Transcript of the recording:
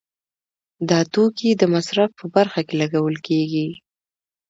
دا توکي د مصرف په برخه کې لګول کیږي.